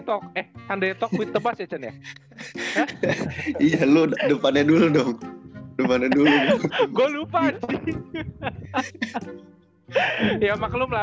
talk eh sunday talk with the bus ya cen ya iya lu depannya dulu dong gue lupa sih ya maklumlah